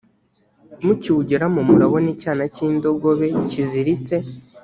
mukiwugeramo murabona icyana cy indogobe kiziritse